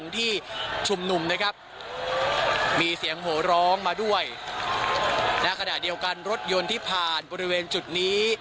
ทุกช่วยภูมิผ่านบริเวณจุดนี้